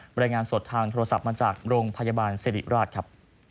รายงานสดทางโทรศัพท์มาจากโรงพยาบาลสิริราชครับ